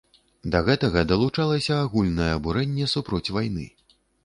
Да гэтага далучалася агульнае абурэнне супроць вайны.